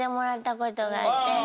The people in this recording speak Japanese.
ことがあって。